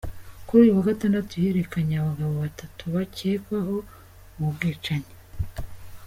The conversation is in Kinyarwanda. Kuri uyu wa Gatandatu yerekanye abagabo batatu bakekwaho ubu bwicanyi.